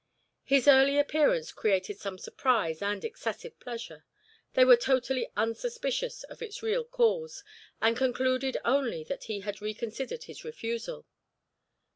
His early appearance created some surprise and excessive pleasure; they were totally unsuspicious of its real cause, and concluded only that he had reconsidered his refusal.